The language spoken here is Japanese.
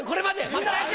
また来週！